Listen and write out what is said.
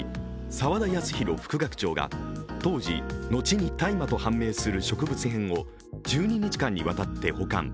澤田康広副学長が当時、後に大麻と判明する植物片を１２日間にわたって保管。